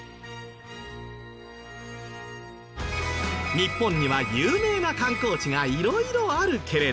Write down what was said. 日本には有名な観光地が色々あるけれど。